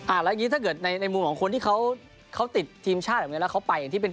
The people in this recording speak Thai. แล้วอย่างงี้ถ้าเกิดในในมุมของคนที่เขาติดทีมชาติแบบนี้แล้วเขาไปอย่างที่เป็น